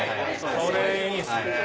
それいいですね。